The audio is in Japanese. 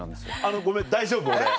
ごめん大丈夫俺。